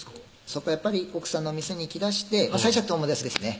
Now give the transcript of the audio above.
そこはやっぱり奥さんのお店に行きだして最初は友達ですね